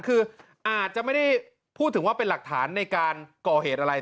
คืออาจจะไม่ได้พูดถึงว่าเป็นหลักฐานในการก่อเหตุอะไร